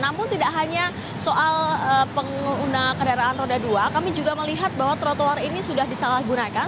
namun tidak hanya soal pengguna kendaraan roda dua kami juga melihat bahwa trotoar ini sudah disalahgunakan